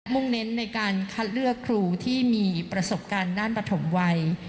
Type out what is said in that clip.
่งเน้นในการคัดเลือกครูที่มีประสบการณ์ด้านปฐมวัย